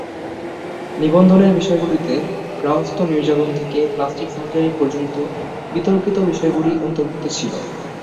নিবন্ধের বিষয়গুলিতে গার্হস্থ্য নির্যাতন থেকে প্লাস্টিক সার্জারি পর্যন্ত বিতর্কিত বিষয়গুলি অন্তর্ভুক্ত ছিল।